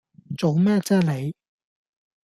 做咩啫你